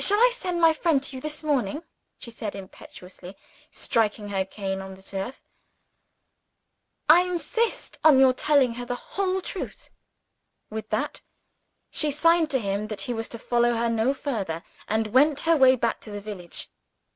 "I shall send my friend to you this morning," she said imperiously, striking her cane on the turf. "I insist on your telling her the whole truth." With that, she signed to him that he was to follow her no farther, and went her way back to the village.